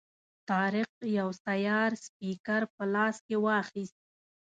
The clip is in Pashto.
طارق یو سیار سپیکر په لاس کې واخیست.